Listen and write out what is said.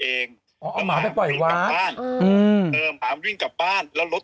อ๋อเอาหมาไปปล่อยวางบ้านอืมเออหมาวิ่งกลับบ้านแล้วรถ